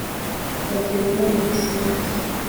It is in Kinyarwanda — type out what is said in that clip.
agerura iminsi yanjye